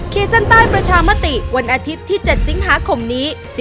ขีดเส้นใต้ประชามติวันอาทิตย์ที่๗สิงหาคมนี้